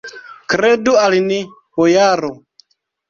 Kredu al ni, bojaro!